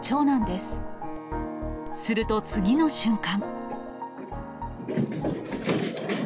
すると次の瞬間。